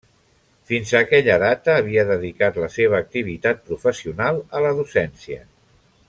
Fins a aquella data havia dedicat la seva activitat professional a la docència.